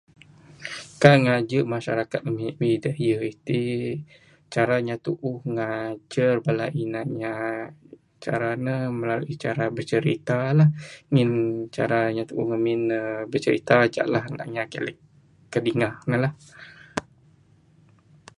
Kan ngajeh masyarakat ami bidayuh itin cara inya tuuh ngajer bala inya cara ne melalui cara becerita lah ngin cara inya tuuh ngamin ne becerita aja lah. Bada inya kilek kidingah ne lah